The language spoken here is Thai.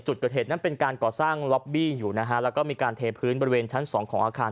จุดเกิดเหตุนั้นเป็นการก่อสร้างล็อบบี้อยู่นะฮะแล้วก็มีการเทพื้นบริเวณชั้นสองของอาคาร